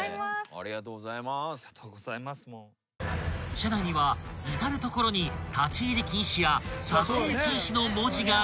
［社内には至る所に「立入禁止」や「撮影禁止」の文字が並ぶ］